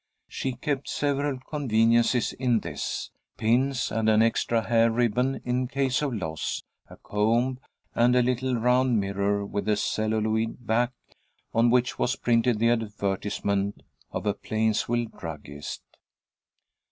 She kept several conveniences in this, pins, and an extra hair ribbon in case of loss, a comb, and a little round mirror with a celluloid back, on which was printed the advertisement of a Plainsville druggist.